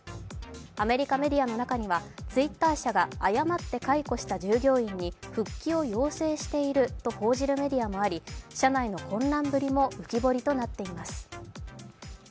アメリカメディアの中にはツイッター社が誤って解雇した従業員に復帰を要請していると報じるメディアもあり社内の混乱ぶりも浮き彫りとなっています。